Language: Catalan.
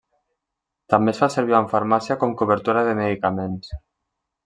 També es fa servir en farmàcia com cobertura de medicaments.